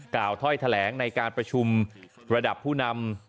ถ้อยแถลงในการประชุมระดับผู้นำ